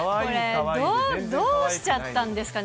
どうしちゃったんですかね。